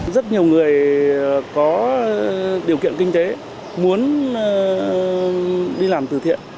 rất nhiều người có điều kiện kinh tế muốn đi làm từ thiện